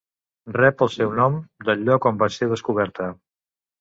Rep el seu nom del lloc on va ser descoberta.